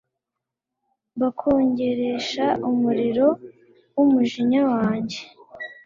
mbakongeresha umuriro wumujinya wanjye